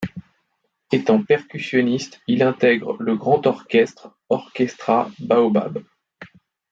Étant percussionniste, il intègre le grand orchestre 'Orchestra Baobab'.